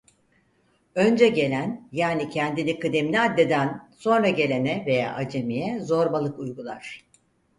Önce gelen yani kendini kıdemli addeden sonra gelene veya acemiye zorbalık uygular.